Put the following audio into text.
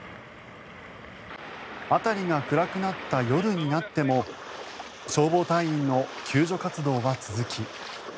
辺りが暗くなった夜になっても消防隊員の救助活動は続き。